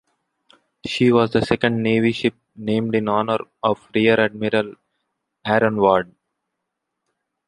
She was the second Navy ship named in honor of Rear Admiral Aaron Ward.